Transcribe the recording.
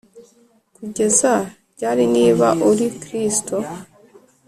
kugeza ryari Niba uri Kristo